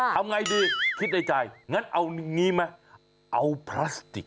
ทำไงดีคิดในใจงั้นเอาอย่างนี้ไหมเอาพลาสติก